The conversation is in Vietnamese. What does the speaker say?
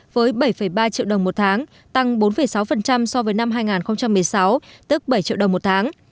với bảy ba triệu đồng một tháng tăng bốn sáu so với năm hai nghìn một mươi sáu tức bảy triệu đồng một tháng